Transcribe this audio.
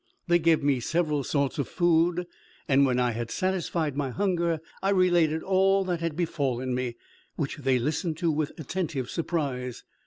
They gave me several sorts of food, and when I had satisfied my hunger, I related all that had befallen me, which they listened to with attentive surprise.